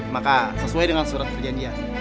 maka sesuai dengan surat perjanjian